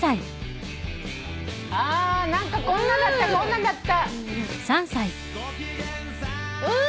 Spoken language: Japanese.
あ何かこんなだったこんなだった。